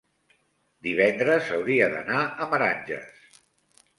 divendres hauria d'anar a Meranges.